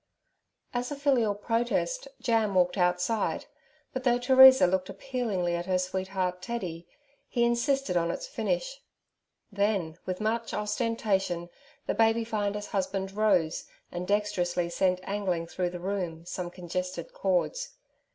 As a filial protest Jam walked outside, but though Teresa looked appealingly at her sweetheart Teddy, he insisted on its finish. Then with much ostentation the Babyfinder's husband rose and dexterously sent angling through the room some congested chords.